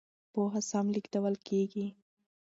پوهه سم لېږدول کېږي.